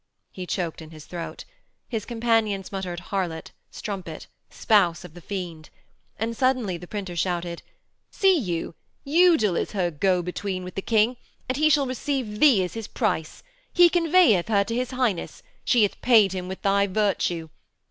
He choked in his throat. His companions muttered Harlot; Strumpet; Spouse of the Fiend. And suddenly the printer shouted: 'See you; Udal is her go between with the King, and he shall receive thee as his price. He conveyeth her to his Highness, she hath paid him with thy virtue.